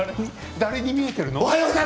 誰に見えているの？